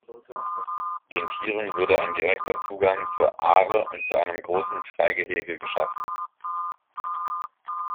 Den Tieren würde ein direkter Zugang zur Aare und zu einem grossen Freigehege geschaffen.